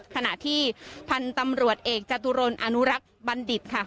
ขณะที่พันธุ์ตำรวจเอกจตุรนอนุรักษ์บัณฑิตค่ะ